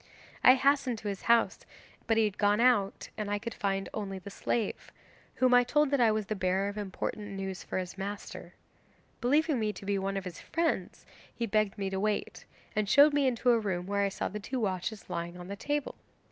I hastened to his house, but he had gone out, and I could only find the slave, whom I told that I was the bearer of important news for his master. Believing me to be one of his friends, he begged me to wait, and showed me into a room where I saw the two watches lying on the table.